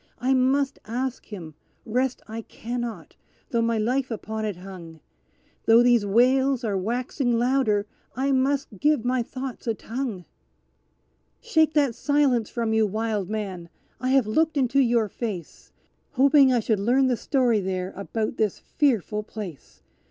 I must ask him rest I cannot though my life upon it hung Though these wails are waxing louder, I must give my thoughts a tongue. "Shake that silence from you, wild man! I have looked into your face, Hoping I should learn the story there about this fearful place.